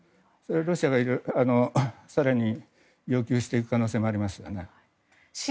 ロシアが更に要求していく可能性もありますので。